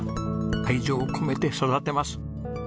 愛情込めて育てます。